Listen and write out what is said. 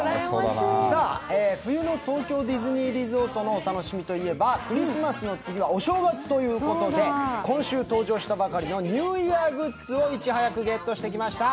さあ、冬の東京ディズニーリゾートのお楽しみといえば、クリスマスの次はお正月ということで今週登場したばかりのニューイヤーグッズをいち早くゲットしてきました。